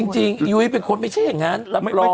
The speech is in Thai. จริงยุ้ยเป็นคนไม่ใช่อย่างนั้น